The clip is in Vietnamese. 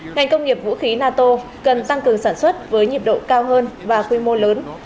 ngành công nghiệp vũ khí nato cần tăng cường sản xuất với nhiệt độ cao hơn và quy mô lớn